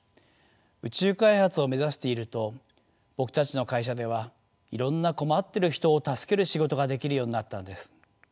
宇宙開発を目指していると僕たちの会社ではいろんな困ってる人を助ける仕事ができるようになったんです。